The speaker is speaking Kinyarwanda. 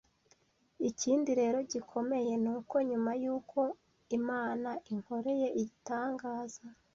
Ikindi rero gikomeye ni uko, nyuma yuko Imana inkoreye igitangaza